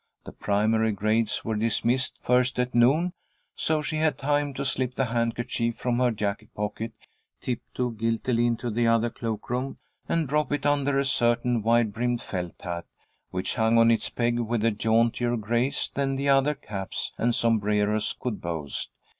The primary grades were dismissed first at noon, so she had time to slip the handkerchief from her jacket pocket, tiptoe guiltily into the other cloak room, and drop it under a certain wide brimmed felt hat, which hung on its peg with a jauntier grace than the other caps and sombreros could boast.